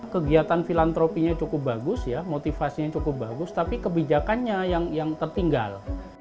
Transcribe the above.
kegiatan filantropinya cukup bagus ya motivasinya cukup bagus tapi kebijakannya yang tertinggal